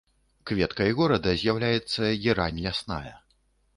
Кветкай горада з'яўляецца герань лясная.